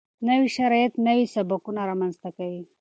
نوي شرایط نوي سبکونه رامنځته کوي.